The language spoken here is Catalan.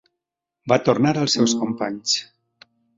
Va tornar als seus companys.